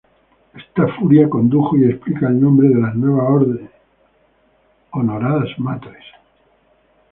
Esta furia condujo y explica el nombre de la nueva orden, Honoradas Matres.